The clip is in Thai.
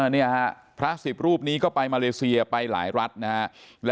นี่ฮะพระสิบรูปนี้ก็ไปมาเลเซียไปหลายรัฐนะฮะ